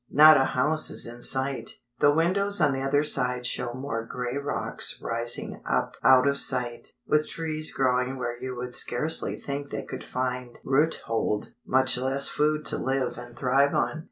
Not a house is in sight. The windows on the other side show more grey rocks rising up out of sight, with trees growing where you would scarcely think they could find root hold, much less food to live and thrive on.